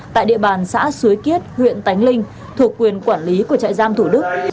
tại địa bàn xã suối kiết huyện tánh linh thuộc quyền quản lý của trại giam thủ đức